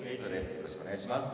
よろしくお願いします。